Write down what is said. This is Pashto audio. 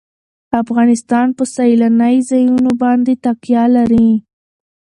افغانستان په سیلانی ځایونه باندې تکیه لري.